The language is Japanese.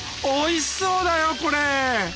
おいしそうだよこれ！